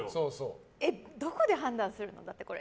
どこで判断するの、これ。